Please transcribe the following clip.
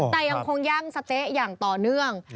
แต่ยังคงย่ำสะเจ๊อย่างต่อเนื่อง